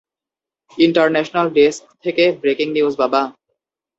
International desk থেকে breaking news বাবা?